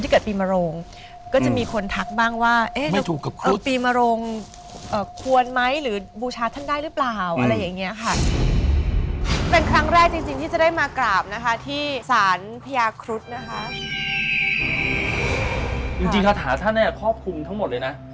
จริงทาทาท่านนะควบคุมทั้งหมดเลยนะ